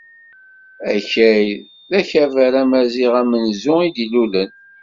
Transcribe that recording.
Akal, d akabar amaziɣ amenzu i d-ilulen.